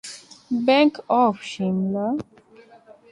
Bank of Shimla.